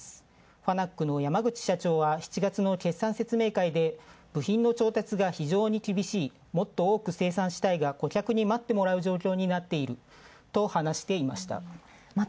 ファナックの山口社長は７月の決算説明会で部品の調達が非常に厳しい、もっと多く生産したいが顧客に待ってもらう状況であると話していました。